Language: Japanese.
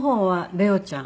レオちゃん。